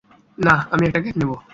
না, আমি একটা কেক নেবো!